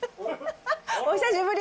お久しぶり。